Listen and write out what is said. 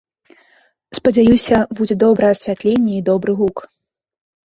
Спадзяюся, будзе добрае асвятленне і добры гук.